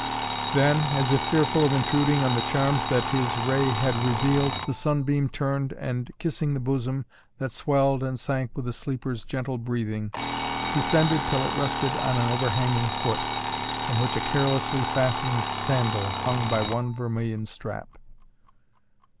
Then, as if fearful of intruding on the charms that his ray had revealed, the sunbeam turned and, kissing the bosom that swelled and sank with the sleeper's gentle breathing, descended till it rested on an overhanging foot, from which a carelessly fastened sandal hung by one vermilion strap.